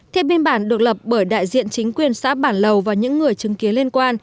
theo biên bản được lập bởi đại diện chính quyền xã bản lầu và những người chứng kiến liên quan